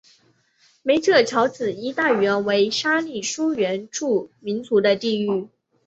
梅特乔辛一带原为沙利殊原住民族的地域。